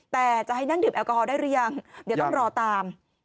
แต่จะให้นั่งดื่มแอลกอฮอลได้หรือยังเดี๋ยวต้องรอตาม